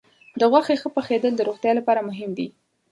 د غوښې ښه پخېدل د روغتیا لپاره مهم دي.